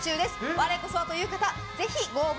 我こそはという方ぜひご応募